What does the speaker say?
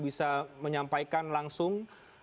bisa menyampaikan langsung